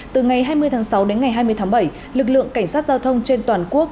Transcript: từ ngày hai mươi tháng sáu đến ngày hai mươi tháng bảy lực lượng cảnh sát giao thông trên toàn quốc